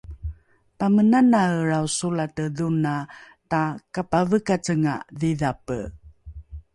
pamenanaelrao solate dhona takapavekacenga dhidhape